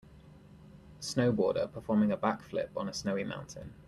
snowboarder performing a backflip on a snowy mountain